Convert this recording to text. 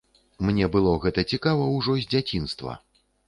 Мне было гэта цікава ўжо з дзяцінства.